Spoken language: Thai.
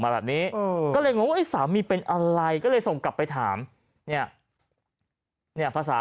มาแบบนี้ไอ้สามีเป็นอะไรก็เลยส่งกลับไปถามเนี่ยเนี่ยภาษา